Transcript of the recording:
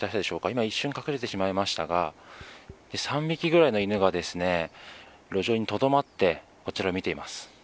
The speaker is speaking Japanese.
今一瞬隠れてしまいましたが３匹ぐらいの犬が路上にとどまってこちらを見ています。